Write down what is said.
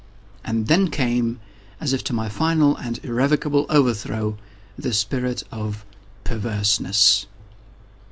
And then came, as if to my final and irrevocable overthrow, the spirit of PERVERSENESS.